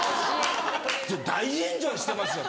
「大炎上してますよ」